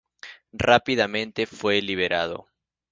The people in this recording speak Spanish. Rápidamente fue liberado.